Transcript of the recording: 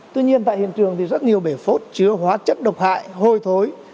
tuy nhiên tại hiện trường thì rất nhiều bể phốt chứa hóa chất độc hại hôi thối